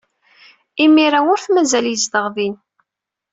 Imir-a ur t-mazal yezdeɣ din.